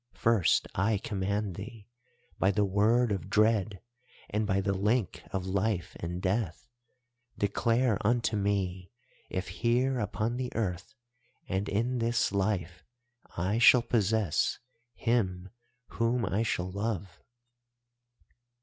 First I command thee, by the word of dread and by the link of life and death, declare unto me if here upon the earth and in this life I shall possess him whom I shall love?